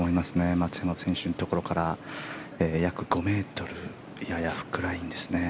松山選手のところから約５ｍややフックラインですね。